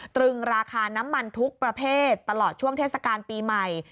ตรึงราคาน้ำมันทุกประเภทตลอดช่วงเทศกาลปีใหม่